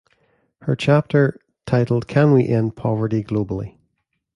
Her chapter, titled Can We End Poverty Globally?